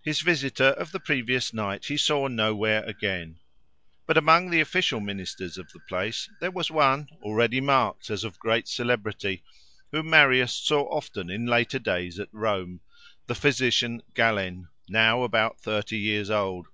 His visitor of the previous night he saw nowhere again. But among the official ministers of the place there was one, already marked as of great celebrity, whom Marius saw often in later days at Rome, the physician Galen, now about thirty years old.